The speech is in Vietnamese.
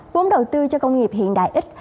vốn đầu tư cho công nghiệp hiện đại ít